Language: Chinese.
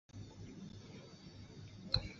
亚洲动物基金。